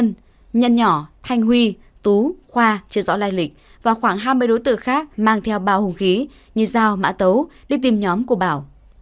nhân nhân nhỏ thanh huy tú khoa chưa rõ lai lịch và khoảng hai mươi đối tượng khác mang theo bào hung khí như giao mã tấu đi tìm nhóm của bảo